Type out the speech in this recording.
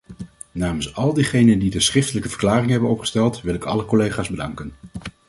Namens al diegenen die de schriftelijke verklaring hebben opgesteld, wil ik alle collega's bedanken.